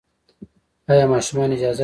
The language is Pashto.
ایا ماشومان اجازه لري؟